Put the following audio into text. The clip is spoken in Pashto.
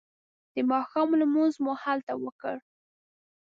د ماښام لمونځ مو هلته وکړ.